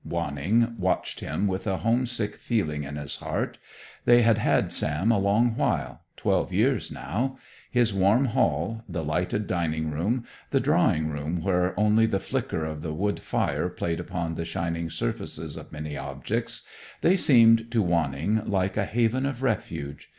Wanning watched him with a homesick feeling in his heart. They had had Sam a long while, twelve years, now. His warm hall, the lighted dining room, the drawing room where only the flicker of the wood fire played upon the shining surfaces of many objects they seemed to Wanning like a haven of refuge.